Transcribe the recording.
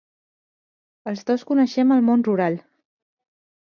Els dos coneixem el món rural .